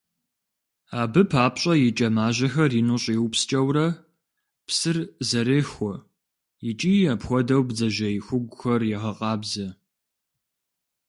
Абы папщӀэ и кӀэмажьэхэр ину щӀиупскӀэурэ, псыр зэрехуэ икӀи апхуэдэу бдзэжьей хугухэр егъэкъабзэ.